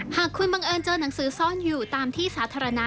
หากคุณบังเอิญเจอหนังสือซ่อนอยู่ตามที่สาธารณะ